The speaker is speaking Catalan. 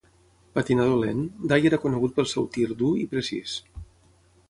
Patinador lent, Dye era conegut pel seu tir dur i precís.